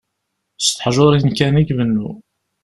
S teḥjurin kan i ibennu.